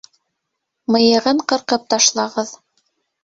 Мыйығын ҡырҡып ташлағыҙ!